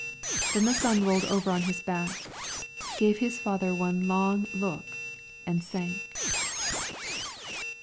Then the son rolled over on his back, gave his father one long look, and sank.